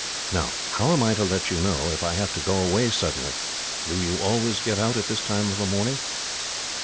Now, how am I to let you know if I have to go away suddenly? Do you always get out at this time of a morning?"